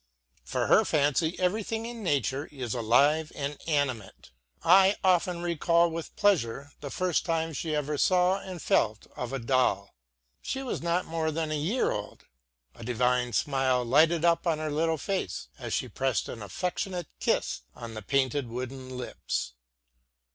For her fancy everything in nature is alive and animate. I often recall with pleasure the first time she ever saw and felt of a doll. She was not more than a year old. A divine smile lighted up her little face, as she pressed an affectionate kiss on the painted wooden lips.